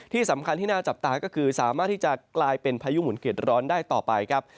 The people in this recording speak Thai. ที่สำคัญที่น่าจับตาก็คือสามารถที่จะกลายเป็นพายุหมุนเกร็ดร้อนได้ต่อไปครับ